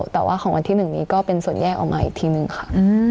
แต่ว่าของวันที่๑นี้ก็เป็นส่วนแยกออกมาอีกทีนึงค่ะ